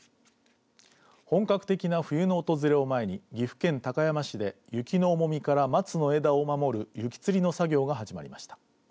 本格的な冬の訪れを前に岐阜県高山市で雪の重みから松の枝を守る雪つりの作業が始まりました。